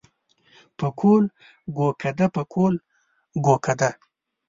پکول ګو کده پکول ګو کده.